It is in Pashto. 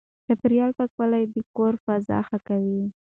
چاپېريال پاکوالی د کور فضا ښه کوي.